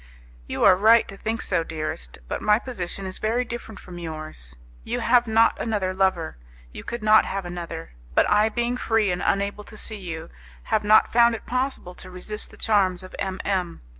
"You are right to think so, dearest, but my position is very different from yours. You have not another lover; you could not have another; but I being free and unable to see you, have not found it possible to resist the charms of M M